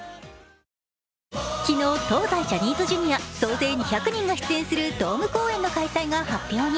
昨日、東西ジャニーズＪｒ．総勢２００人が出演するドーム公演の開催が発表に。